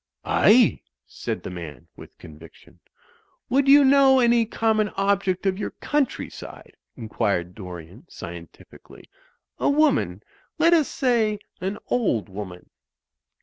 "Aye," said the man, with conviction. "Would you know any common object of your countryside," inquired Dorian, scientifically, "a woman — let us say an old woman."